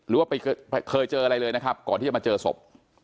ว่าเคยเจออะไรเลยนะครับก่อนที่จะมาเจอศพ